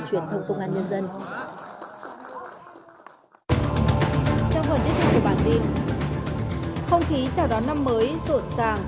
truyền thông công an nhân dân trong phần tiếp theo của bản tin không khí chào đón năm mới rộn ràng